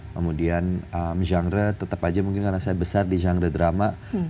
kemudian genre tetap aja mungkin karena saya besar di genre drama